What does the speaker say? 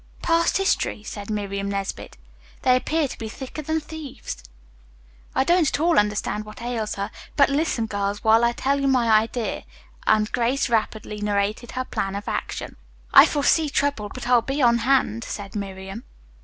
"Past history," said Miriam Nesbit. "They appear to be thicker than thieves." "I don't at all understand what ails her, but listen, girls, while I tell you my idea," and Grace rapidly narrated her plan of action. "I foresee trouble, but I'll be on hand," said Miriam.